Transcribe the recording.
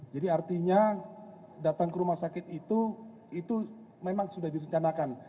jadi artinya datang ke rumah sakit itu memang sudah disencanakan